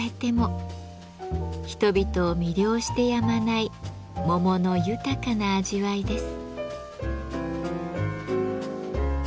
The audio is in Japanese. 人々を魅了してやまない桃の豊かな味わいです。